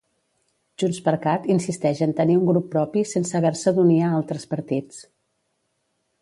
JxCat insisteix en tenir un grup propi sense haver-se d'unir a altres partits.